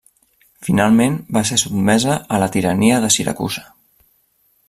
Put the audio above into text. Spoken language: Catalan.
Finalment va ser sotmesa a la tirania de Siracusa.